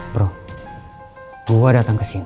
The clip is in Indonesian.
bro gue datang kesini